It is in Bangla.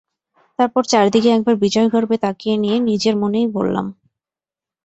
তারপর চারদিকে একবার বিজয়গর্বে তাকিয়ে নিয়ে নিজের মনেই বললাম।